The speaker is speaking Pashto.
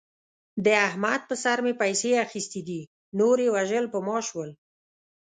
د احمد په سر مې پیسې اخستې دي. نور یې وژل په ما شول.